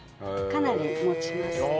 かなり持ちますね。